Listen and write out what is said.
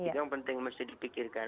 ini yang penting yang harus dipikirkan